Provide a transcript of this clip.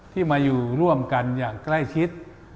ที่มาอยู่ร่วมกันอย่างใกล้ชิด